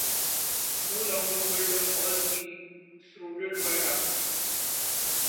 No longer would the Earth be shrouded by darkness.